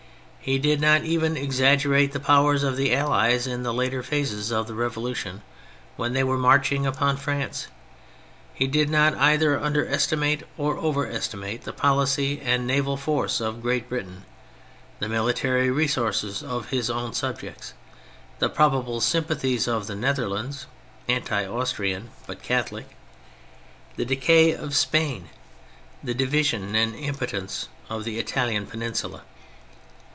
He did not even exaggerate the powers of the allies in the later phases of the Revolution when they were marching upon France. He did not either under estimate or over estimate the policy and naval force of Great Britain, the military resources of his own subjects, the probable sympathies of the Netherlands (anti Austrian but Catholic), the decay of Spain, the division and impotence of the Italian Peninsula.